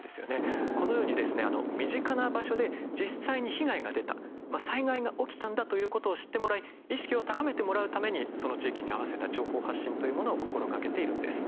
このようにですね身近な場所で実際に被害が出た災害が起きたんだということを知ってもらい意識を高めてもらうためにその地域の合わせた情報発信というものを心がけているんです。